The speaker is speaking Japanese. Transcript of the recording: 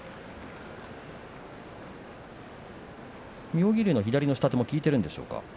妙義龍の左の下手は効いているんでしょうか。